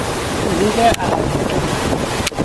حقوق عقب افتاده